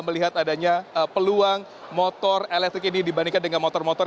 melihat adanya peluang motor elektrik ini dibandingkan dengan motor motor